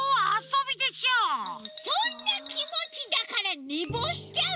そんなきもちだからねぼうしちゃうの！